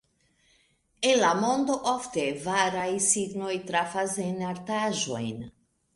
En la mondo ofte varaj signoj trafas en artaĵojn.